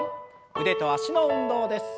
腕と脚の運動です。